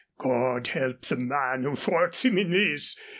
God help the man who thwarts him in this!